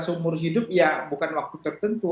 seumur hidup ya bukan waktu tertentu